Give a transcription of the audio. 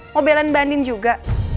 mau belan mbak andien juga